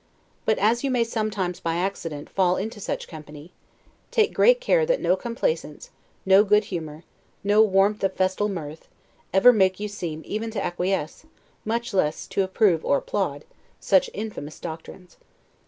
But as you may, sometimes, by accident, fall into such company, take great care that no complaisance, no good humor, no warmth of festal mirth, ever make you seem even to acquiesce, much less to approve or applaud, such infamous doctrines.